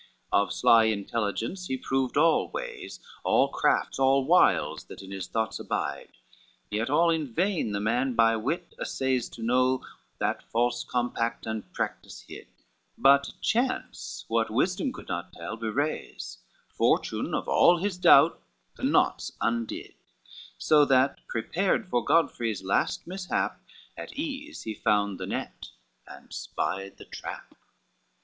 LXXVI Of sly intelligence he proved all ways, All crafts, all wiles, that in his thoughts abide, Yet all in vain the man by wit assays, To know that false compact and practice hid: But chance, what wisdom could not tell, bewrays, Fortune of all his doubt the knots undid, So that prepared for Godfrey's last mishap At ease he found the net, and spied the trap.